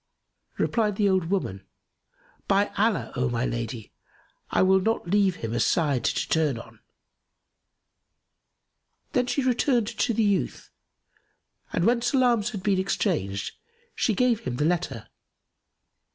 Replied the old woman, "By Allah, O my lady, I will not leave him a side to turn on!" Then she returned to the youth and, when salams had been exchanged, she gave him the letter.